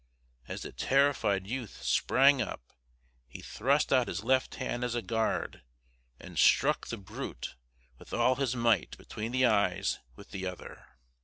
As the terrified youth sprang up, he thrust out his left hand as a guard and struck the brute with all his might between the eyes with the other.